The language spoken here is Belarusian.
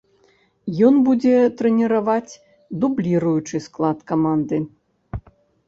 Ён будзе трэніраваць дубліруючы склад каманды.